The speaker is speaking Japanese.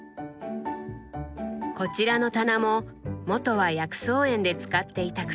こちらの棚も元は薬草園で使っていた薬棚。